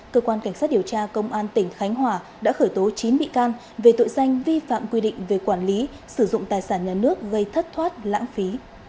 cơ quan cảnh sát điều tra công an tỉnh khánh hòa đã khởi tố chín bị can về tội danh vi phạm quy định về quản lý sử dụng tài sản nhà nước gây thất thoát lãng phí